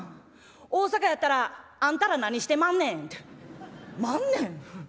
大阪やったら『あんたら何してまんねん？』って『まんねん』。